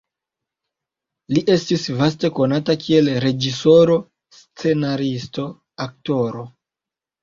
Li estis vaste konata kiel reĝisoro, scenaristo, aktoro.